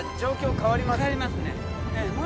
変わりますね。